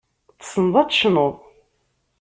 Tessneḍ ad tecnuḍ.